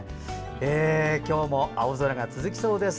今日も青空が続きそうです。